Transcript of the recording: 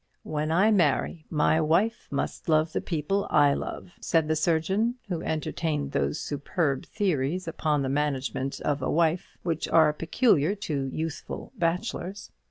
"When I marry, my wife must love the people I love," said, the surgeon, who entertained those superb theories upon the management of a wife which are peculiar to youthful bachelors.